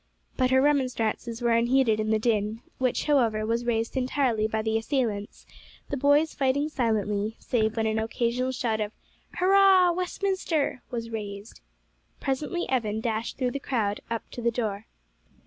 But her remonstrances were unheeded in the din, which, however, was raised entirely by the assailants, the boys fighting silently, save when an occasional shout of "Hurrah, Westminster!" was raised. Presently Evan dashed through the crowd up to the door.